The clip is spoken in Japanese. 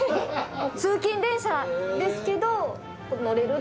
通勤電車ですけど乗れる。